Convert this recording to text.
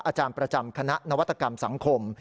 อาจารย์ประจำคณะนวัตกรรมสังคม